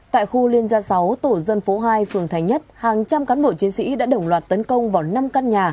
tại khu liên gia sáu tổ dân phố hai phường thành nhất hàng trăm cán bộ chiến sĩ đã đồng loạt tấn công vào năm căn nhà